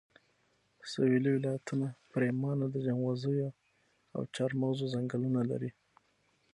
سويلي ولایتونه پرېمانه د جنغوزیو او چارمغزو ځنګلونه لري